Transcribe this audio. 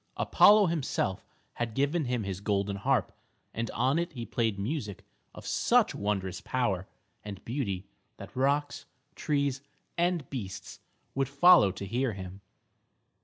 Apollo himself had given him his golden harp, and on it he played music of such wondrous power and beauty that rocks, trees and beasts would follow to hear him.